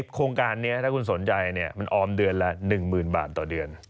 โครงการนี้ถ้าคุณสนใจมันออมเดือนละ๑๐๐๐บาทต่อเดือน